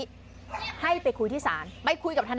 สุดทนแล้วกับเพื่อนบ้านรายนี้ที่อยู่ข้างกัน